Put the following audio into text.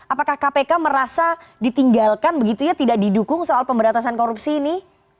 apakah kpk merasa ditinggalkan begitu ya tidak didukung soal pemberantasan korupsi ini